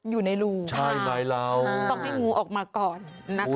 อยู่ในรูใช่ไหมเราต้องให้งูออกมาก่อนนะคะ